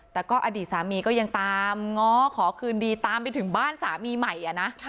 แต่ก็อดีตสามีก็ยังตามง้อขอคืนดีตามไปถึงบ้านสามีใหม่นะ